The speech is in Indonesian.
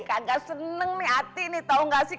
kagak seneng nih hati nih tau gak sih